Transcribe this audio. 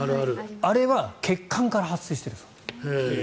あれは血管から発生しているそうです。